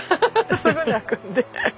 すぐ泣くんで。